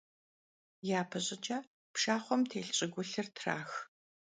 Yape ş'ıç'e pşşaxhuem têlh ş'ıgulhır trax.